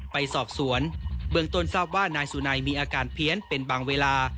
ไปสอบสวนเบื้องต้นทราบว่านายสุนัยมีอาการเพี้ยนเป็นบางเวลา